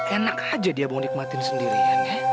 enak aja dia mau nikmatin sendirian